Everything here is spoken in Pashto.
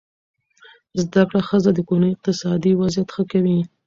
زده کړه ښځه د کورنۍ اقتصادي وضعیت ښه کوي.